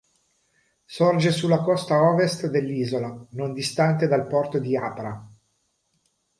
Sorge sulla costa ovest dell'isola non distante dal porto di Apra.